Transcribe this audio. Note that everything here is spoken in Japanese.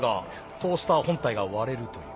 トースター本体が割れるという。